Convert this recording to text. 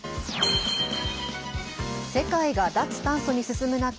世界が脱炭素に進む中